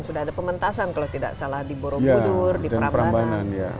sudah ada pementasan kalau tidak salah di borobudur di prabanan